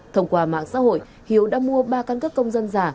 thông qua mạng xã hội hiếu đã mua ba căn cước công dân giả